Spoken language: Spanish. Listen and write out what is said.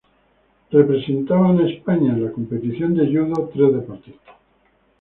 España fue representada en la competición de yudo por tres deportistas.